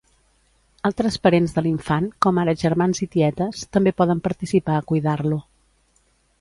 Altres parents de l'infant, com ara germans i tietes, també poden participar a cuidar-lo.